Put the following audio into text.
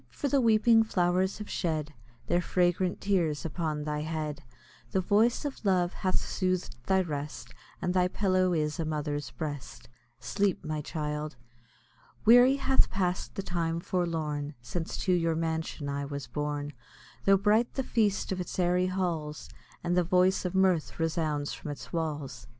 for the weeping flowers have shed Their fragrant tears upon thy head, The voice of love hath sooth'd thy rest, And thy pillow is a mother's breast. Sleep, my child! Weary hath pass'd the time forlorn, Since to your mansion I was borne, Tho' bright the feast of its airy halls, And the voice of mirth resounds from its walls.